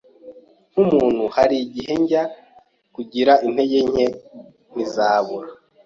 Nk’umuntu hari igihe njya ngira intege nke ntizabura